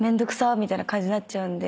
みたいな感じになっちゃうんで。